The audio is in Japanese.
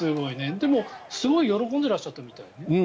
でも、すごい喜んでらっしゃったみたいよ。